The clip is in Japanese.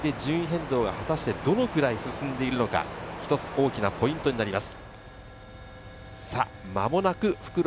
山を下り終えたこの段階で順位変動が果たしてどのくらい進んでいるのか、一つ大きなポイントになります。